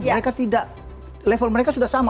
mereka tidak level mereka sudah sama